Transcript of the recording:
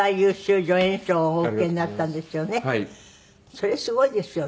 それすごいですよね